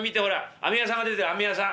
飴屋さんが出てる飴屋さん。